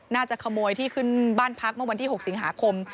น่าจะขโมยที่ขึ้นบ้านพักเมื่อวันที่๖สิงหาคม